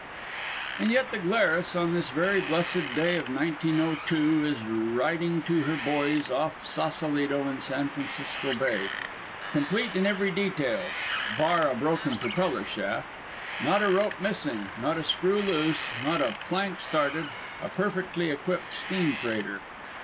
And yet the Glarus on this very blessed day of 1902 is riding to her buoys off Sausalito in San Francisco Bay, complete in every detail (bar a broken propeller shaft), not a rope missing, not a screw loose, not a plank started a perfectly equipped steam freighter.